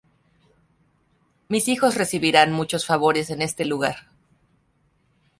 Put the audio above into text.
Mis hijos recibirán muchos favores en este lugar".